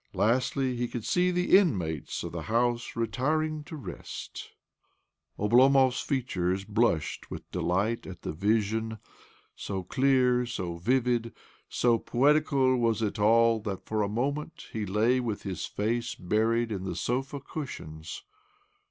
Lastly, he could see the inmates of the house retiring to rest. ... Oblomov's features blushed with delight at the vision. So clear, so vivid, so poetical was it all that for a moment he lay with his face buried in the sofa cushions.